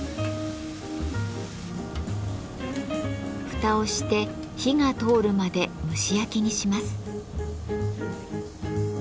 蓋をして火が通るまで蒸し焼きにします。